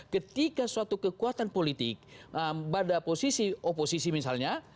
ketika suatu kekuatan politik pada posisi oposisi misalnya